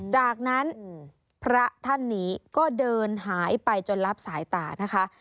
จากนั้นพระท่านนี้ก็เดินหายไปจนรับสายตานะคะ